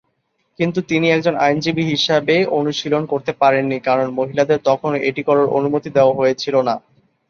কিন্তু তিনি একজন আইনজীবী হিসাবে অনুশীলন করতে পারেননি, কারণ মহিলাদের তখনও এটি করার অনুমতি দেওয়া হয়েছিল না।